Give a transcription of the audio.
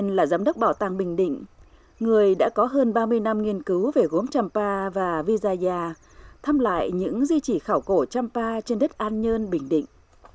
người đã có hơn ba mươi năm nghiên cứu về gốm champa và visaya thăm lại những di chỉ khảo cổ champa trên đất an nhơn bình định